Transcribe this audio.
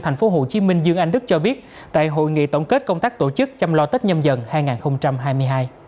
phó chủ tịch ủy ban nhân dân tp hcm dương anh đức cho biết tại hội nghị tổng kết công tác tổ chức chăm lo tết nhâm dần năm hai nghìn hai mươi hai